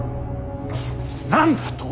何だと！